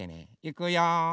いくよ。